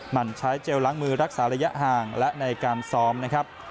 มันใช้เจลล้างมือรักษาระยะห่างและในการซ้อมนะครับ